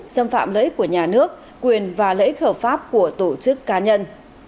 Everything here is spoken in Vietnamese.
xâm phạm lợi ích của nhà nước quyền và lợi ích hợp pháp của tổ chức cá nhân